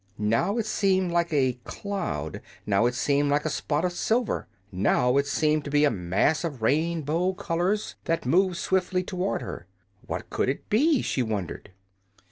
Now it seemed like a cloud; now it seemed like a spot of silver; now it seemed to be a mass of rainbow colors that moved swiftly toward her. What COULD it be, she wondered?